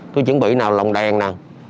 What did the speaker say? tôi chuẩn bị nào lòng đèn nào